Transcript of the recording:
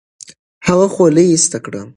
هغه خولۍ ایسته کړه.